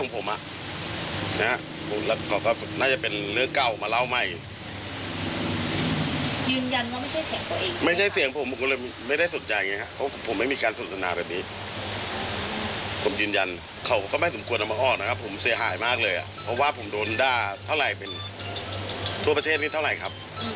ผมเสียหายมากเลยเพราะว่าผมโดนด้าเท่าไหร่เป็นทั่วประเทศนี้เท่าไหร่ครับ